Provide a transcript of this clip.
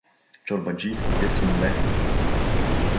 Чорбаджийските синове.